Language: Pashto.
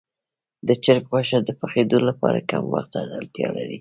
د چرګ غوښه د پخېدو لپاره کم وخت ته اړتیا لري.